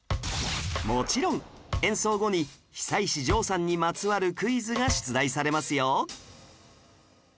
もちろん演奏後に久石譲さんにまつわるクイズが出題されますよ